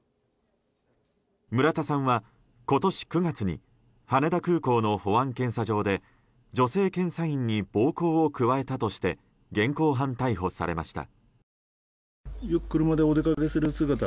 村田さんは、今年９月に羽田空港の保安検査場で女性検査員に暴行を加えたとして現行犯逮捕されました。